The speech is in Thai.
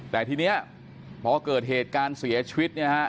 แต่ทีนี้เพราะเกิดเหตุการณ์เสียชีวิตนะฮะ